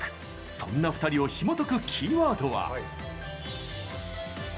そんな２人をひもとくキーワードは。